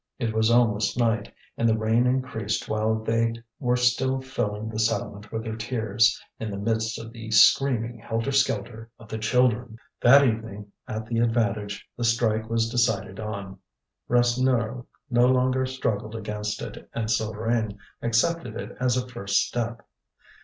It was almost night, and the rain increased while they were still filling the settlement with their tears in the midst of the screaming helter skelter of the children. That evening at the Avantage the strike was decided on. Rasseneur no longer struggled against it, and Souvarine accepted it as a first step.